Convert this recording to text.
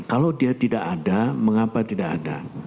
kalau dia tidak ada mengapa tidak ada